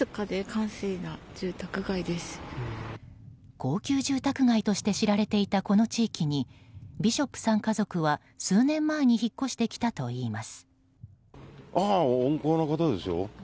高級住宅街として知られていたこの地域にビショップさん家族は数年前に引っ越してきたといいます。